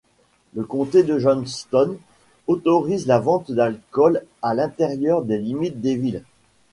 Le comté de Johnston autorise la vente d'alcool à l'intérieur des limites des villes.